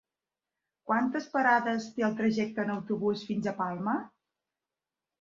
Quantes parades té el trajecte en autobús fins a Palma?